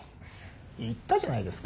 言ったじゃないですか。